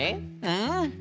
うん。